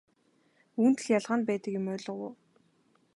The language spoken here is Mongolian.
Үүнд л ялгаа нь байдаг юм ойлгов уу?